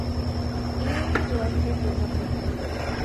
এ নদীতে জোয়ার-ভাটার প্রভাব নেই।